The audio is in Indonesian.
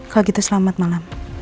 kalau gitu selamat malam